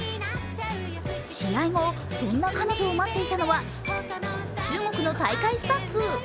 試合後、そんな彼女を待っていたのは中国の大会スタッフ。